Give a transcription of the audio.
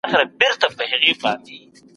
د مېرمني د کار کولو مهم شرط څه دی؟